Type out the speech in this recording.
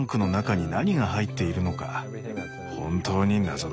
本当に謎だった。